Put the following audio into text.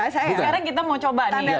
sekarang kita mau coba dulu